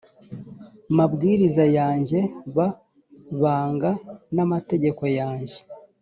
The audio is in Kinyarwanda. mabwiriza yanjye b banga n amategeko yanjye